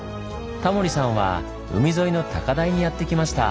タモリさんは海沿いの高台にやって来ました。